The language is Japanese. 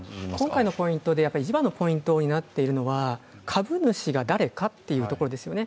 今回の一番のポイントになっているのが、株主が誰かというところですよね。